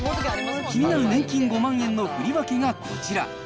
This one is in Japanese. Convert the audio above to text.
気になる年金５万円の振り分けがこちら。